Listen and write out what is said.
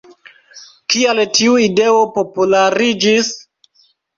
Kial tiu ideo populariĝis?